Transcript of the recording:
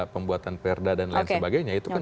pembuatan perda dan lain sebagainya itu kan